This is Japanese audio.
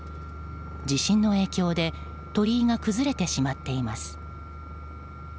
地震の影響で鳥居が崩れてしまっています。